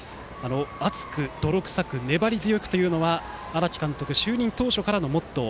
「熱く、泥臭く、粘り強く」というのは荒木監督就任当初からのモットー。